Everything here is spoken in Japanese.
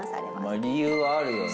まあ理由はあるよね。